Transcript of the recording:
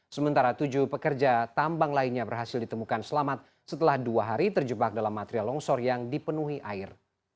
sementara tujuh pekerja tambang lainnya berhasil ditemukan selamat setelah dua hari terjebak dalam material longsor yang dipenuhi air